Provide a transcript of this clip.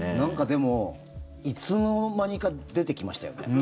でもいつの間にか出てきましたよね。